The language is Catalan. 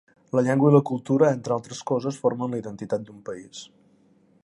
La llengua i la cultura, entre altres coses, formen la identitat d'un país.